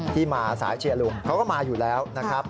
ที่มาสายเชียร์ลุงเขาก็มาอยู่แล้วนะครับ